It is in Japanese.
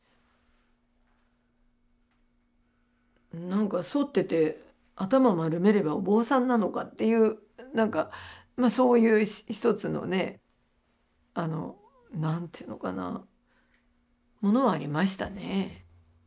何か剃ってて頭丸めればお坊さんなのかっていう何かそういう一つのね何ちゅうのかなものはありましたね。